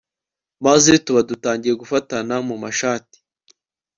maze tuba dutangiye gufatana mu mashati